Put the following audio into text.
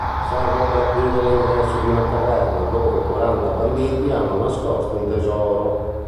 Serve per aprire l'ingresso di una caverna dove quaranta banditi hanno nascosto un tesoro.